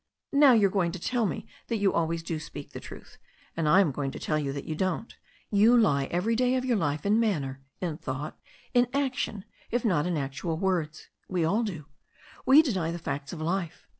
"Now, you are going to tell me that you always do speak the truth. And I am going to tell you that you don't. You lie every day of your life in manner, in thought, in action, if not in actual words. We all do. We deny the facts of life.